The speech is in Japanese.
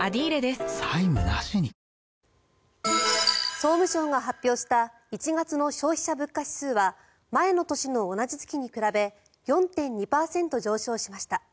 総務省が発表した１月の消費者物価指数は前の年の同じ月に比べ４．２％上昇しました。